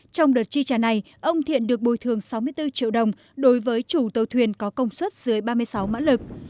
trong đợt chi trả này ông thiện được bồi thường sáu mươi bốn triệu đồng đối với chủ tàu thuyền có công suất dưới ba mươi sáu mã lực